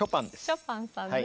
ショパンさんです。